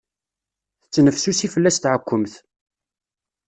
Tettnefsusi fell-as tɛekkemt.